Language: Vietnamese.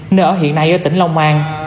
nơi ở hiện nay ở tỉnh long an